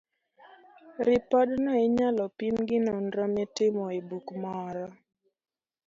Ripodno inyalo pim gi nonro mitimo e buk moro.